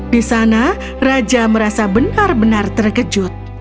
di sana raja merasa benar benar terkejut